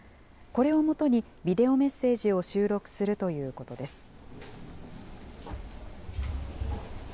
これをもとに、ビデオメッセージを収録するということです。